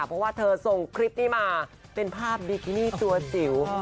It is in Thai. เพราะว่าเธอส่งคลิปนี้มาเป็นภาพบิกินี่ตัวจิ๋ว